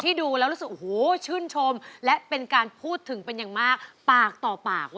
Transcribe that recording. ดูแล้วรู้สึกโอ้โหชื่นชมและเป็นการพูดถึงเป็นอย่างมากปากต่อปาก